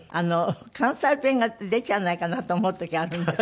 関西弁が出ちゃわないかなと思う時あるんだって？